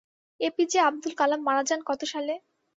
এ P J Abdul Kalam মারা যান কত সালে?